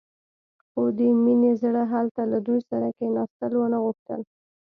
خو د مينې زړه هلته له دوی سره کښېناستل ونه غوښتل.